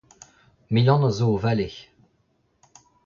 Milan a zo o vale.